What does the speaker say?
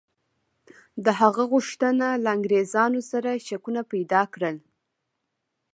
د هغه غوښتنه له انګرېزانو سره شکونه پیدا کړل.